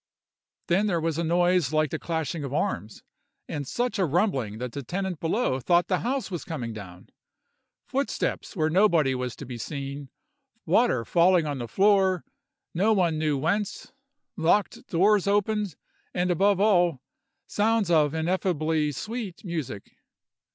Then there was a noise like the clashing of arms, and such a rumbling that the tenant below thought the house was coming down; footsteps where nobody was to be seen, water falling on the floor, no one knew whence, locked doors opened, and above all, sounds of ineffably sweet music.